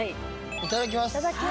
いただきます。